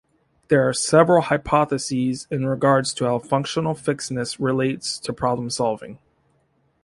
There are several hypotheses in regards to how functional fixedness relates to problem solving.